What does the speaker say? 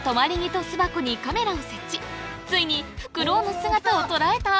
ついにフクロウの姿を捉えた？